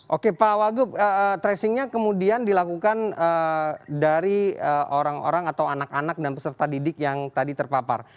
oke pak wagub tracingnya kemudian dilakukan dari orang orang atau anak anak dan peserta didik yang tadi terpapar